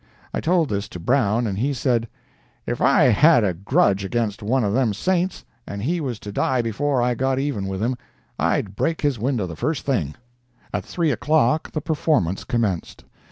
I told this to Brown, and he said: "If I had a grudge against one of them saints, and he was to die before I got even with him, I'd break his window the first thing." At 3 o'clock the performance commenced.